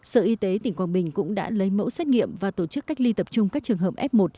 sở y tế tỉnh quảng bình cũng đã lấy mẫu xét nghiệm và tổ chức cách ly tập trung các trường hợp f một